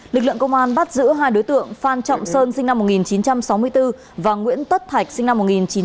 lực lượng công an bắt giữ hai đối tượng phan trọng sơn sinh năm một nghìn chín trăm sáu mươi bốn và nguyễn tất thạch sinh năm một nghìn chín trăm tám mươi